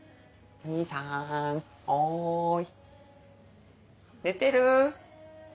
お義兄さんおい。